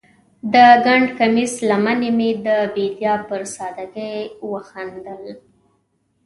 د ګنډ کمیس لمنې مې د بیدیا پر سادګۍ وخندل